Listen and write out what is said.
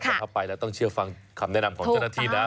แต่ถ้าไปแล้วต้องเชื่อฟังคำแนะนำของเจ้าหน้าที่นะ